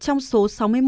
trong vòng bảy ngày